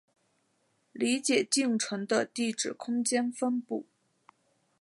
理解进程的地址空间分布